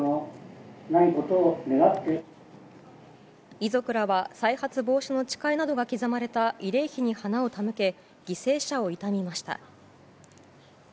遺族らは再発防止の誓いなどが刻まれた慰霊碑に花を手向け犠牲者を悼みました。